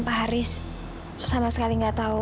pak haris sama sekali nggak tahu